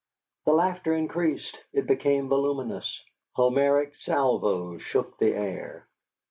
The laughter increased. It became voluminous. Homeric salvos shook the air.